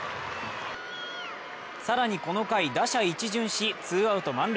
更にこの回、打者一巡しツーアウト満塁。